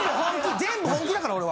全部本気だから俺は。